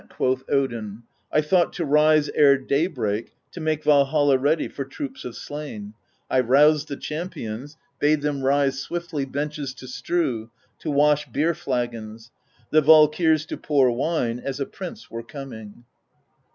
quoth Odin, I thought to rise ere day break To make Valhall ready For troops of slain ; I roused the champions, Bade them rise swiftly Benches to strew. To wash beer flagons; The Valkyrs to pour wine. As a Prince were coming.